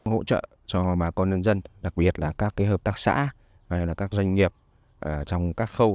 hỗ trợ cho mà con nhân dân đặc biệt là các hợp tác xã các doanh nghiệp trong các khâu